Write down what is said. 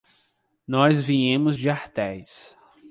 Nós viemos de Artés.